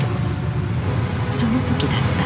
その時だった。